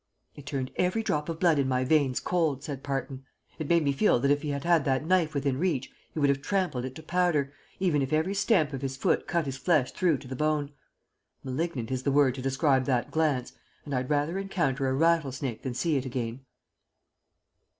"It turned every drop of blood in my veins cold," said Parton. "It made me feel that if he had had that knife within reach he would have trampled it to powder, even if every stamp of his foot cut his flesh through to the bone. Malignant is the word to describe that glance, and I'd rather encounter a rattle snake than see it again."